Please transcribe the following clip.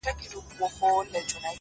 ډيره مننه مهربان شاعره’